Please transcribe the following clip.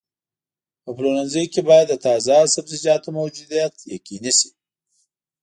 په پلورنځي کې باید د تازه سبزیجاتو موجودیت یقیني شي.